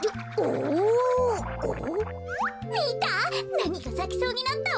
なにかさきそうになったわ。